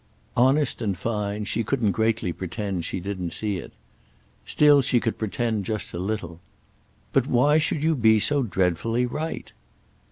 Honest and fine, she couldn't greatly pretend she didn't see it. Still she could pretend just a little. "But why should you be so dreadfully right?"